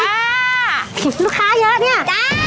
ลูกค้าเยอะเนี่ย